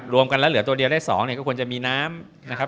รวมกันแล้วเหลือตัวเดียวได้๒ก็ควรจะมีน้ำ